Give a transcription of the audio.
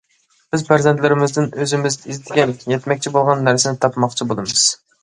بىز پەرزەنتلىرىمىزدىن ئۆزىمىز ئىزدىگەن، يەتمەكچى بولغان نەرسىنى تاپماقچى بولىمىز.